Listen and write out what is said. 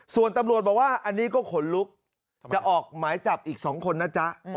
ส่วนตำรวจบอกว่าอันนี้ก็ขนลุกจะออกหมายจับอีก๒คนนะจ๊ะ